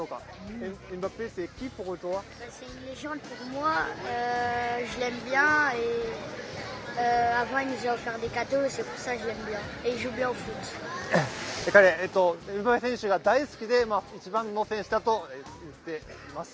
エムバペ選手が大好きで、一番の選手だと言っています。